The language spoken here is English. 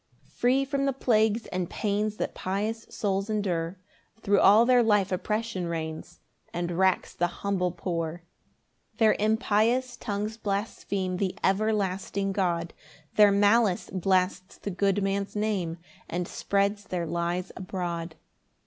4 Free from the plagues and pains That pious souls endure, Thro' all their life oppression reigns And racks the humble poor. 5 Their impious tongues blaspheme The everlasting God; Their malice blasts the good man's name, And spreads their lies abroad.